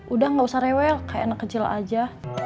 udah gak usah rewel kayak anak kecil aja